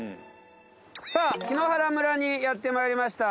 さぁ檜原村にやってまいりました。